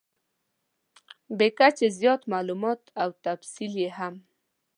بې کچې زیات مالومات او تفصیل یې هم .